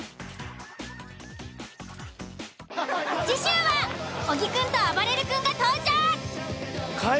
次週は小木くんとあばれる君が登場。